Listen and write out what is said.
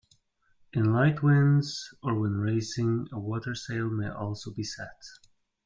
In light winds, or when racing, a watersail may also be set.